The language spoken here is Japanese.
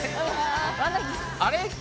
あれ？